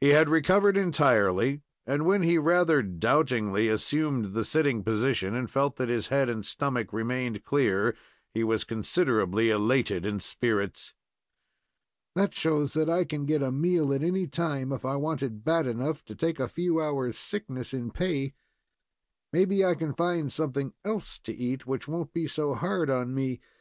He had recovered entirely, and when he rather doubtingly assumed the sitting position and felt that his head and stomach remained clear he was considerably elated in spirits. "That shows that I can get a meal at any time, if I want it bad enough to take a few hours' sickness in pay. Maybe I can find something else to eat which won't be so hard on me.